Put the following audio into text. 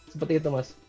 seperti itu mas